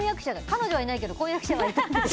彼女はいないけど婚約者はいる。